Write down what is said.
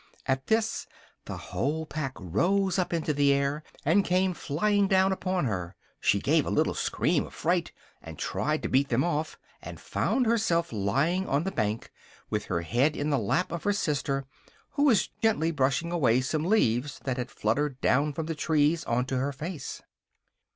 At this the whole pack rose up into the air, and came flying down upon her: she gave a little scream of fright, and tried to beat them off, and found herself lying on the bank, with her head in the lap of her sister, who was gently brushing away some leaves that had fluttered down from the trees on to her face.